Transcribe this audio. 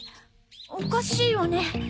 おかしいわね。